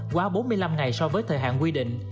quá bốn mươi năm ngày so với thời hạn quy định